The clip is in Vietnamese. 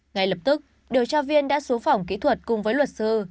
ngay lập tức điều tra viên đã xuống phòng kỹ thuật cùng với luật sư